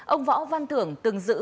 ông võ văn thưởng từng giữ